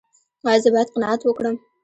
ایا زه باید قناعت وکړم؟